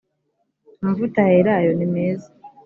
amavuta ya elayo nimeza.